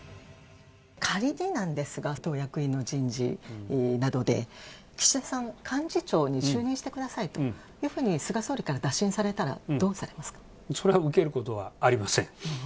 仮になんですが、党役員の人事などで、岸田さん、幹事長に就任してくださいというふうに菅総理から打診されたらどそれは受けることはありません。